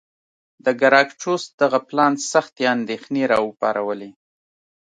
د ګراکچوس دغه پلان سختې اندېښنې را وپارولې.